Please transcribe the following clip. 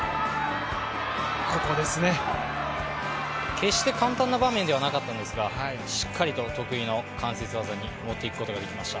決して簡単な場面ではなかったんですが、しっかりと得意の関節技に持っていくことができました。